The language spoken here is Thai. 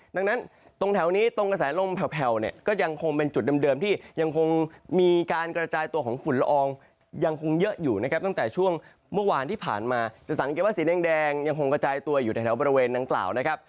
ดังนั้นตรงแถวนี้ตรงกระแสลมแผลวเนี่ยก็ยังคงเป็นจุดเดิมที่ยังคงมีการกระจายตัวของฝุ่นละอองยังคงเยอะอยู่นะครับตั้งแต่ช่วงเมื่อวานที่ผ่านมาจะสังเกตว่าสีแดงยังคงกระจายตัวอยู่ในแถวบริเวณดังกล่าวนะครับ